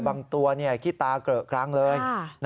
บางตัวคิดตาเกลือกรั้งเลย